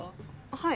はい。